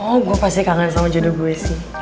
oh gue pasti kangen sama judul gue sih